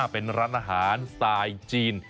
เป็นร้านอาหารสไตล์จีน